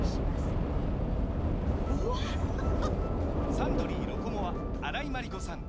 サントリー「ロコモア」荒井眞理子さん